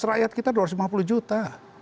rakyat kita dua ratus lima puluh juta